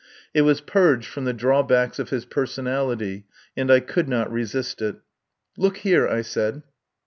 It was purged from the drawbacks of his personality, and I could not resist it. "Look here," I said.